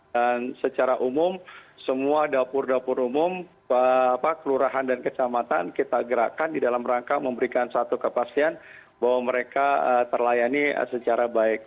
dan secara umum semua dapur dapur umum kelurahan dan kesamatan kita gerakkan di dalam rangka memberikan satu kepastian bahwa mereka terlayani secara baik